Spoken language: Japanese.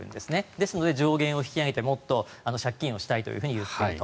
ですので上限を引き上げてもっと借金をしたいと言っていると。